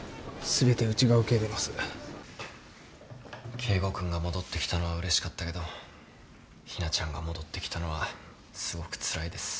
圭吾君が戻ってきたのはうれしかったけど日菜ちゃんが戻ってきたのはすごくつらいです。